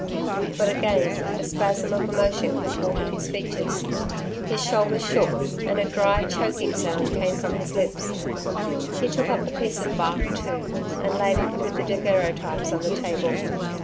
But again the spasm of emotion contorted his features. His shoulders shook, and a dry choking sound came from his lips. He took up the piece of bark too, and laid it with the daguerreotypes on the table.